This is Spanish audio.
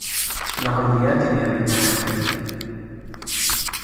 La comunidad tenía veinte religiosos.